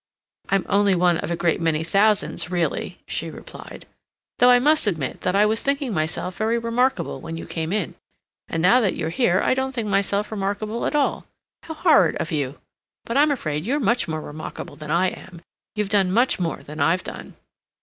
"I'm only one of a great many thousands really," she replied, "though I must admit that I was thinking myself very remarkable when you came in. And now that you're here I don't think myself remarkable at all. How horrid of you! But I'm afraid you're much more remarkable than I am. You've done much more than I've done."